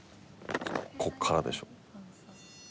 ここからでしょ。